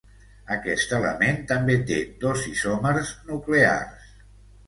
Aquest element també té dos isòmers nuclears.